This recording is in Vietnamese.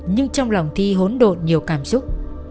nhưng trong lòng thi hốn đột nhiều cảm xúc